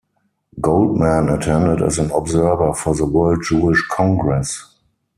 Goldman attended as an observer for the World Jewish Congress.